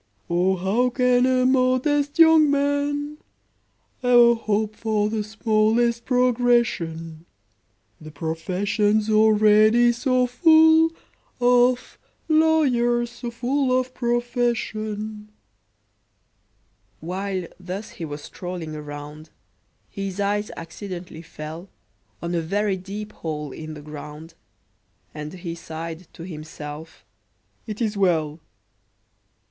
"O, how can a modest young man E'er hope for the smallest progression,— The profession's already so full Of lawyers so full of profession!" While thus he was strolling around, His eye accidentally fell On a very deep hole in the ground, And he sighed to himself, "It is well!"